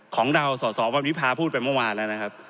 ของเราสอสอวันวิพาพูดไปเมื่อวานแล้วนะครับ